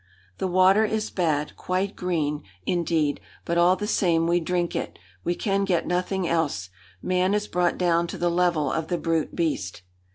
"The water is bad, quite green, indeed; but all the same we drink it we can get nothing else. Man is brought down to the level of the brute beast."